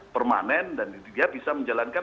permanen dan bisa menjalankan